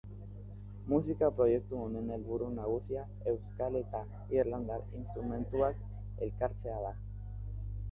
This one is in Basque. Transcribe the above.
Musika proiektu honen helburu nagusia euskal eta irlandar instrumentuak elkartzea da.